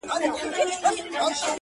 تبۍ را واخلی مخ را تورکړۍ؛